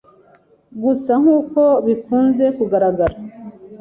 Gusa nk’uko bikunze kugaragara,